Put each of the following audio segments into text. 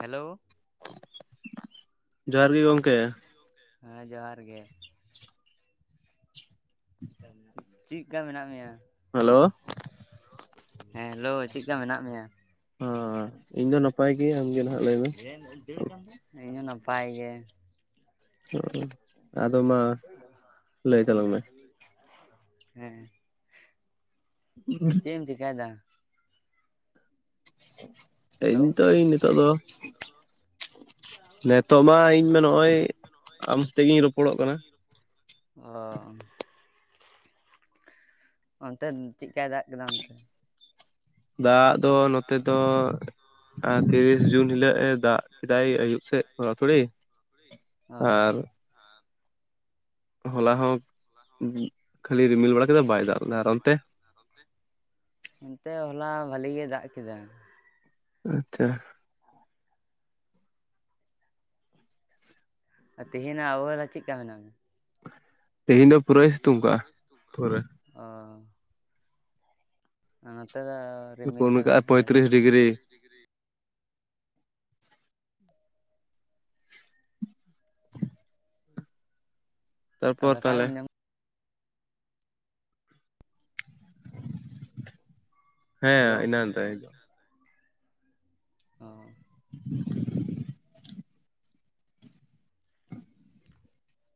Hello [inaudible] ᱡᱚᱦᱟᱨ ᱜᱮ ᱜᱚᱝᱠᱮ ᱡᱚᱦᱟᱨ ᱜᱮ ᱜᱚᱝᱠᱮ ᱦᱮᱸ ᱡᱚᱦᱟᱨ ᱜᱮ, ᱪᱤᱜᱠᱟ ᱢᱮᱱᱟᱜ ᱢᱮᱭᱟ? ᱦᱮᱞᱳ ᱦᱮᱸ ᱦᱮᱞᱳ ᱪᱮᱜᱠᱟ ᱢᱮᱱᱟᱜ ᱢᱮᱭᱟ? ᱦᱚ ᱤᱧ ᱫᱚ ᱱᱟᱯᱟᱭ ᱜᱤ ᱟᱢᱜᱮ ᱱᱷᱟᱜ, ᱤᱧ ᱦᱚᱸ ᱱᱟᱯᱟᱭ ᱜᱮ᱾ ᱚ ᱟᱫᱚ ᱢᱟ ᱞᱟᱹᱭ ᱛᱟᱞᱟᱝ ᱢᱮ, ᱦᱮᱸ ᱪᱮᱢ ᱪᱤᱠᱟᱭ ᱫᱟ ‌‌? ᱤ ᱦᱮᱞᱳ ᱱᱤᱛᱚᱜ ᱤᱧ ᱱᱤᱛᱚᱜ ᱫᱚ ᱱᱤᱛᱚᱜ ᱢᱟ ᱤᱧ ᱦᱮᱸ ᱛᱚ ᱢᱟ ᱱᱚᱜᱼᱚᱭ ᱤᱧ ᱫᱚ ᱱᱚᱜᱼᱚᱭ ᱟᱢ ᱥᱟᱛᱮᱜ ᱜᱤᱧ ᱨᱚᱯᱚᱲᱚᱜ ᱠᱟᱱᱟ ᱟᱢᱥᱮᱛᱮᱜᱤᱧ ᱨᱚ ᱚ ᱚᱱᱛᱮ ᱪᱮᱜᱠᱟᱭ ᱫᱟᱜ ᱠᱮᱫᱟ ᱚᱱᱛᱮ? ᱫᱟᱜ ᱫᱚ ᱱᱚᱛᱮ ᱫᱚ ᱛᱤᱨᱤᱥ ᱡᱩᱱ ᱦᱤᱞᱟᱹᱜ ᱮ ᱫᱟᱜ ᱠᱮᱫᱟᱭ ᱟᱹᱭᱩᱵ, ᱥᱮᱫ ᱛᱷᱚᱲᱟ ᱛᱷᱩᱲᱤ ᱚ ᱟᱨ, ᱦᱚᱞᱟ ᱦᱚᱸ, ᱦᱚᱞᱟ ᱦᱚᱸ ᱠᱷᱟᱹᱞᱤ ᱨᱤᱢᱤᱞ ᱵᱟᱲᱟ ᱠᱮᱫᱟ ᱠᱷᱟᱹᱞᱤ ᱵᱟᱭ ᱫᱟᱜ ᱨᱤᱢᱤᱞ ᱞᱮᱫᱟ ᱵᱟᱲᱟ ᱟᱨ ᱠᱮᱫᱟ ᱵᱟᱭ ᱚᱱᱛᱮ ᱫᱟᱜ ᱠᱮᱜᱼᱟᱭ ᱟᱨ ᱚᱱᱛᱮ᱾ ᱚᱱᱛᱮ ᱦᱚᱞᱟ ᱵᱷᱟᱞᱤ ᱜᱮ ᱫᱟᱜ ᱠᱮᱫᱟ, ᱟᱪᱪᱷᱟ᱾ ᱟᱨ ᱛᱮᱦᱮᱧᱟᱜ ᱚᱵᱷᱚᱣᱟ ᱪᱮᱜ ᱠᱟ ᱢᱮᱱᱟᱜ ᱢᱮ? ᱛᱮᱦᱤᱧ ᱫᱚ ᱯᱩᱨᱟᱹᱭ ᱥᱤᱛᱩᱝ ᱠᱟᱜᱼᱟ ᱯᱩᱨᱟᱹ᱾ ᱚ, ᱱᱚᱛᱮ ᱫᱚ ᱨᱤᱢᱤᱞ ᱯᱷᱳᱱ ᱠᱟᱜᱼᱟ ᱠᱟᱫᱟᱭ ᱯᱚᱸᱭᱛᱨᱤᱥ ᱟ ᱰᱤᱜᱽᱨᱤ ᱯᱚᱸᱭᱛᱨᱤᱥ ᱰᱤᱜᱽᱨᱤ ᱾ ᱛᱟᱨᱯᱚᱨ ᱯᱷᱟᱠᱟ ᱛᱟᱦᱚᱞᱮ ᱜᱮᱢ ᱧᱟᱢ ᱦᱮᱸ ᱦᱮᱞᱳ ᱤᱱᱟᱹ ᱛᱟᱭᱤᱡᱩᱜ᱾ ᱚ [unintelligible]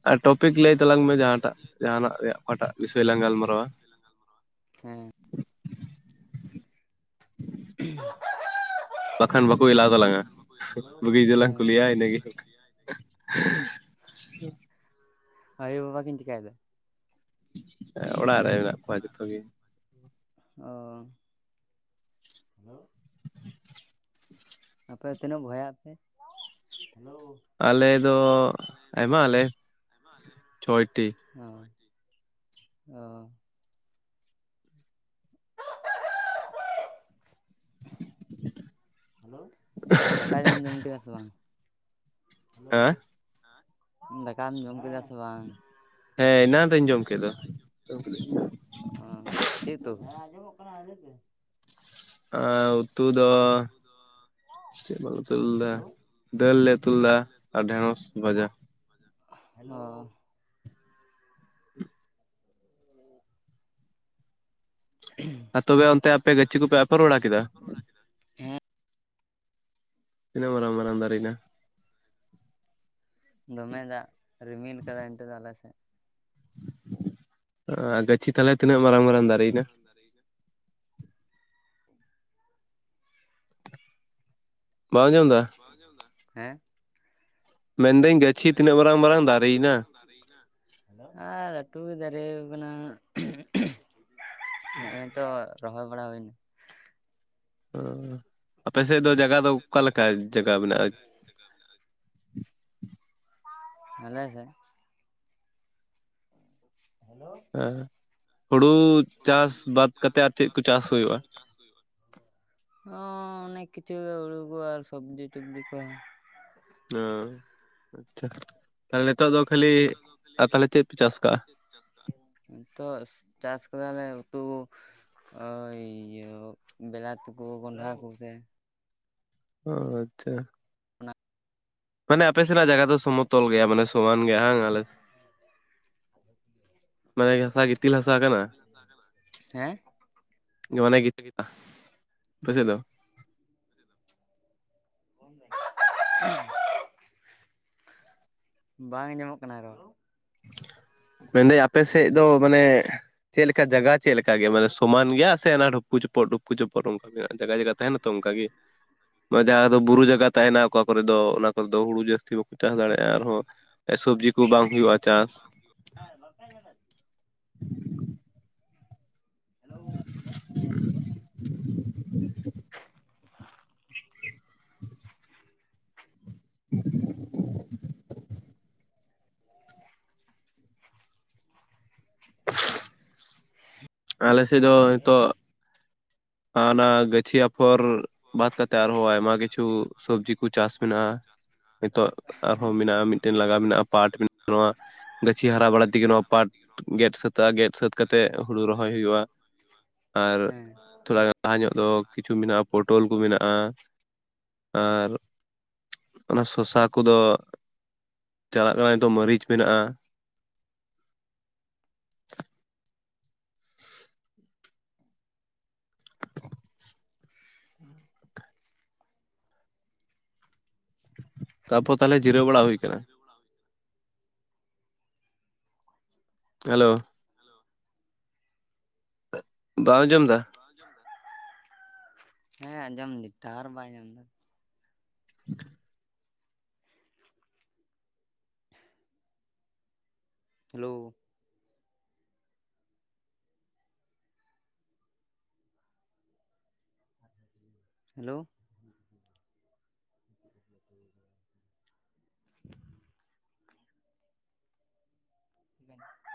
ᱟᱨ ᱴᱚᱯᱤᱠ, ᱞᱟᱹᱭ ᱛᱟᱞᱟᱝ ᱢᱮ ᱴᱚᱯᱤᱠ ᱡᱟᱦᱟᱸᱴᱟᱜ ᱤᱭᱟᱹᱭ ᱛᱟᱞᱟᱝ ᱢᱮ ᱨᱮᱭᱟᱜ ᱡᱟᱦᱟᱱᱟᱜ ᱚᱠᱟᱴᱟᱜ ᱵᱤᱥᱚᱭ ᱜᱮ ᱞᱟᱝ ᱡᱟᱦᱟᱱᱟᱜ ᱜᱟᱞᱢᱟᱨᱟᱣᱟ ᱠᱟᱴᱤᱡ ᱞᱟᱝ ᱜᱟᱞᱢᱟᱨᱣᱟ ᱦᱮᱸ, [unintelligible] ᱵᱟᱠᱷᱟᱱ ᱵᱟᱠᱚ ᱮᱞᱟᱣ ᱛᱟᱞᱟᱝᱟ, ᱵᱩᱜᱤ ᱡᱩᱫᱟᱹ ᱞᱟᱝ ᱦᱮᱸ ᱠᱩᱞᱤᱭᱟ ᱤᱱᱟᱹᱜᱮ ᱟᱭᱳ ᱵᱟᱵᱟ ᱠᱤᱱ, ᱪᱤᱠᱟᱭ ᱫᱟ? ᱦᱮᱸ ᱚᱲᱟᱜ ᱨᱮ ᱢᱮᱱᱟᱜ ᱠᱚᱣᱟ ᱡᱚᱛᱚ ᱜᱮ ᱚᱸ ᱦᱮᱞᱳ᱾ [unintelligible] ᱟᱯᱮ ᱛᱤᱱᱟᱹᱜ ᱵᱷᱦᱚᱭᱟᱜ ᱟᱯᱮ? ᱦᱮᱞᱳ ᱟᱞᱮ ᱫᱚ, ᱟᱭᱢᱟ ᱟᱞᱮ, ᱪᱷᱚᱭᱴᱤ᱾ ᱚ, ᱚ, ᱾ ᱦᱮᱞᱳ, ᱫᱟᱠᱟᱧ ᱟᱸᱡᱚᱢ ᱠᱮᱫᱟ ᱥᱮ ᱵᱟᱝ? ᱦᱮᱸ ᱦᱟᱸ, ᱫᱟᱠᱟᱢ ᱡᱚᱢ ᱠᱮᱫᱟ ᱥᱮ ᱵᱟᱝ? ᱦᱮᱸ ᱮᱱᱟᱱ ᱨᱮᱧ ᱡᱚᱢ ᱠᱮᱫᱟ᱾ ᱚᱸ, ᱪᱮᱫ ᱩᱛᱩ ᱟᱸᱡᱚᱢ ᱠᱟᱱᱟ [unintelligible] ᱮᱸ ᱩᱛᱩ ᱫᱚ ᱪᱮᱫ ᱵᱟᱞᱮ ᱩᱛᱩ ᱞᱮᱫᱟ, ᱫᱟᱹᱞ ᱞᱮ ᱩᱛᱩ ᱞᱮᱫᱟ, ᱟᱨ ᱰᱷᱮᱸᱲᱚᱥ ᱵᱷᱟᱡᱟ ᱦᱟᱸ [unintelligible] ᱟᱨ ᱛᱚᱵᱮ ᱚᱱᱛᱮ ᱟᱯᱮ, ᱜᱟᱹᱪᱷᱤ ᱠᱚᱯᱮ ᱟᱯᱷᱚᱨ ᱵᱟᱲᱟ ᱠᱮᱫᱟ? ᱦᱮᱸ ᱛᱱᱟᱹᱜ ᱢᱟᱨᱟᱝ ᱢᱟᱨᱟᱝ ᱫᱟᱨᱭᱱᱟ? ᱫᱚᱢᱮ ᱫᱟᱜ ᱨᱤᱢᱤᱞ ᱠᱟᱫᱟᱭ, ᱮᱛᱮ ᱫᱚ ᱟᱞ ᱥᱮᱜ? ᱜᱟᱹᱪᱷᱤ ᱛᱟᱞᱮ ᱛᱤᱱᱟᱹᱜ ᱢᱟᱨᱟᱝ ᱢᱟᱨᱟᱝ ᱫᱟᱨᱮᱭᱱᱟ? ᱨ ᱜᱮ [unintelligible] ᱵᱟᱢ ᱟᱡᱚᱢ ᱫᱟ? ᱵᱟᱢ ᱟᱡᱚᱢ ᱫᱟ? ᱦᱮᱸ, ᱢᱮᱱᱫᱟᱹᱧ ᱜᱟᱹᱪᱷᱤ ᱛᱤᱱᱟᱹᱜ ᱢᱮᱱᱫᱟᱹᱧ ᱢᱟᱨᱟᱝ ᱜᱟᱪᱷᱤ ᱛᱤᱱᱟᱹᱜ ᱢᱟᱨᱟᱝ ᱫᱟᱨᱮᱭᱮᱱᱟ ᱢᱟᱨᱟᱝ ᱫᱟᱨᱮᱭ ᱱᱟ? ᱟᱨ ᱞᱟᱴᱩ ᱜᱮ ᱫᱟᱨᱮ ᱠᱟᱱᱟ᱾ ᱦᱮᱸᱜᱼ ᱮ ᱛᱚ ᱨᱚᱦᱚᱭ ᱵᱟᱲᱟ ᱦᱳᱭᱱᱟ᱾ ᱚ, ᱟᱯᱮ ᱥᱮᱫ ᱫᱚ ᱡᱟᱜᱟ ᱫᱚ, ᱚᱠᱟᱞᱮᱠᱟ ᱡᱟᱜᱟ ᱢᱮᱱᱟᱜᱼᱟ? ᱟᱮᱞᱮ ᱥᱮᱜ ᱦᱮᱞᱳ, ᱦᱮᱸ, ᱦᱩᱲᱩ ᱪᱟᱥ ᱵᱟᱫ ᱠᱟᱛᱮ, ᱟᱨ ᱪᱮᱫ ᱠᱚ ᱪᱟᱥ ᱦᱳᱭᱳᱜᱼᱟ᱾ ᱚ ᱚᱱᱮᱠ ᱠᱤᱪᱷᱩ ᱦᱩᱲᱩ ᱠᱚ ᱟᱨ ᱥᱚᱵᱡᱤ ᱴᱚᱵᱡᱤ ᱠᱚ [unintelligible] ᱚ ᱟᱪᱪᱷᱟ, ᱛᱟᱦᱚᱞᱮ ᱱᱤᱛᱚᱜ ᱫᱚ ᱠᱷᱟᱹᱞᱤ ᱛᱟᱦᱚᱞᱮ ᱪᱮᱫ ᱯᱮ ᱪᱟᱥ ᱠᱟᱜᱼᱟ? [inaudible] ᱱᱤᱛᱚᱜ ᱪᱟᱥ ᱠᱮᱫᱟᱞᱮ ᱩᱛᱩ ᱚ, ᱤᱭᱟᱹ ᱵᱤᱞᱟᱛᱤ ᱠᱚ ᱠᱚᱱᱰᱷᱟ ᱠᱚ ᱜᱮ᱾ ᱚ ᱟᱪᱪᱷᱟ, ᱚᱱᱟ ᱢᱟᱱᱮ ᱟᱯᱮ ᱥᱮᱱᱟᱜ ᱡᱟᱭᱜᱟ ᱫᱚ ᱥᱚᱢᱚᱛᱚᱞ ᱜᱮᱭᱟ, ᱢᱟᱱᱮ ᱥᱚᱢᱟᱱ ᱜᱮᱭᱟ ᱵᱟᱝ, ᱟᱞᱮ ᱢᱟᱱᱮ ᱦᱟᱥᱟ ᱜᱤᱛᱤᱞ ᱦᱟᱥᱟ ᱠᱟᱱᱟ ᱦᱮᱸ, [unintelligible] ᱢᱚᱱᱮ ᱜᱤᱛ ᱜᱤᱛ ᱵᱩᱥ ᱫᱚ [unintelligible] [inaudible] ᱵᱟᱝ ᱟᱸᱡᱚᱢᱚᱜ ᱠᱟᱱᱟ ᱨᱚᱲ? [inaudible] [inaudible] ᱢᱮᱱᱫᱟᱹᱧ ᱟᱯᱮ ᱥᱮᱫ ᱫᱚ ᱢᱟᱱᱮ ᱪᱮᱫ ᱞᱮᱠᱟ ᱡᱟᱭᱜᱟ, ᱪᱮᱫ ᱞᱮᱠᱟ ᱜᱮᱭᱟ, ᱢᱟᱱᱮ ᱥᱚᱢᱟᱱ ᱜᱮᱭᱟ, ᱥᱮ ᱚᱱᱟ ᱰᱷᱩᱯᱩ ᱪᱚᱯᱩ, ᱰᱷᱩᱯᱩ ᱪᱩᱯᱩ, ᱚᱱᱠᱟ ᱡᱟᱭᱜᱟ ᱡᱟᱭᱜᱟ ᱛᱟᱦᱮᱸᱱᱟ ᱛᱚ ᱚᱝᱠᱟ ᱜᱮ ᱡᱟᱦᱟᱸ ᱫᱚ ᱵᱩᱨᱩ ᱡᱟᱭᱜᱟ ᱛᱟᱦᱮᱸᱱᱟ, ᱚᱠᱟ ᱠᱚᱨᱮ ᱫᱚ ᱚᱱᱟ ᱠᱚᱨᱮ ᱫᱚ ᱦᱩᱲᱩ ᱡᱟᱹᱥᱛᱤ ᱵᱟᱠᱚ ᱪᱟᱥ ᱫᱟᱲᱮᱭᱟᱜᱼᱟ ᱟᱨᱦᱚᱸ ᱥᱚᱵᱽᱡᱤ ᱠᱚ ᱵᱟᱝ ᱦᱳᱭᱳᱜᱼᱟ ᱪᱟᱥ [unintelligible] [unintelligible] [inaudible] [inaudible] ᱦᱮᱞᱳᱻ᱾ [inaudible] [inaudible] [inaudible] [inaudible] ᱟᱞᱮᱥᱮᱫ ᱫᱚ ᱱᱤᱛᱚᱜ ᱚᱱᱟ ᱜᱟᱹᱪᱷᱤ ᱟᱯᱷᱚᱨ ᱵᱟᱫ ᱠᱟᱛᱮᱫ ᱟᱨᱦᱚᱸ ᱟᱭᱢᱟ ᱠᱤᱪᱷᱩ ᱥᱚᱵᱽᱡᱤ ᱠᱚ ᱪᱟᱥ ᱢᱮᱱᱟᱜᱼᱟ ᱱᱤᱛᱚᱜ ᱦᱮᱸ ᱟᱨᱦᱚᱸ ᱢᱮᱱᱟᱜᱼᱟ ᱢᱤᱫᱴᱮᱱ ᱞᱟᱜᱟ ᱢᱮᱱᱟᱜᱼᱟ ᱯᱟᱴ ᱢᱮᱱᱟᱜᱼᱟ ᱱᱚᱣᱟ ᱜᱟᱹᱪᱷᱤ ᱦᱟᱨᱟ ᱵᱟᱲᱟ ᱛᱮᱜᱮ ᱱᱚᱣᱟ ᱯᱟᱴ ᱜᱮᱫ ᱥᱟᱹᱛ [unintelligible] ᱥᱟᱹᱛᱟᱹᱜᱼᱟ ᱜᱮᱫ ᱥᱟᱹᱫ ᱠᱟᱛᱮᱜ ᱦᱩᱲᱩ ᱠᱟᱛᱮ ᱨᱚᱦᱚᱭ ᱦᱩᱭᱩᱜᱼᱟ ᱦᱩᱲᱩ ᱨᱚᱦᱚᱭ ᱦᱩᱭᱩᱜᱼᱟ ᱾ ᱟᱨ ᱦᱮᱸ ᱟᱨ ᱛᱷᱚᱲᱟ ᱜᱟᱱ ᱞᱟᱦᱟ ᱧᱚᱜ ᱫᱚ ᱠᱤᱪᱷᱩ ᱢᱮᱱᱟᱜᱼᱟ ᱯᱚᱴᱚᱞ ᱠᱚ ᱢᱮᱱᱟᱜᱼᱟ, ᱟᱨ ᱚᱱᱟ ᱥᱚᱨᱥᱟ ᱠᱚᱫᱚ ᱪᱟᱞᱟᱜ ᱠᱟᱱᱟ ᱱᱮᱛᱚ ᱢᱟᱨᱤᱡ ᱢᱮᱱᱟᱜᱼᱟ ᱾ ᱛᱟᱯᱚᱨ ᱛᱟᱦᱚᱞᱮ ᱡᱤᱨᱟᱹᱣ ᱵᱟᱲᱟ ᱦᱩᱭ ᱟᱠᱟᱱᱟ ᱾ ᱦᱮᱞᱳ ᱦᱮᱞᱳ ᱵᱟᱢ ᱟᱸᱡᱚᱢ ᱮᱫᱟ? ᱵᱟᱢ ᱟᱡᱚᱢ ᱮᱫᱟ? ᱦᱮᱸ ᱟᱸᱡᱚᱢ ᱫᱤᱧ ᱴᱟᱣᱟᱨ ᱵᱟᱭ ᱧᱟᱢ ᱮᱫᱟ᱾ [inaudible] Hello [inaudible] hello [inaudible] [inaudible] [unintelligible]